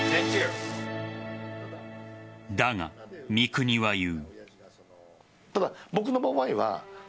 だが、三國は言う。